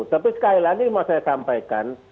tapi sekali lagi mau saya sampaikan